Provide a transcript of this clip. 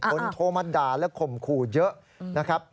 โทรมาด่าและข่มขู่เยอะนะครับ